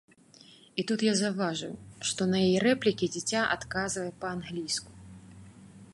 І тут я заўважыў, што на яе рэплікі дзіця адказвае па-англійску.